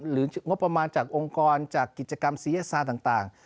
งบประมาณจากองค์กรจากกิจกรรมศัยศาสตร์ต่าง